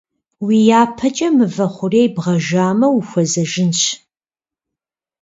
Уи япэкӀэ мывэ хъурей бгъажэмэ ухуэзэжынщ.